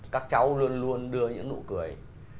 các cháu cười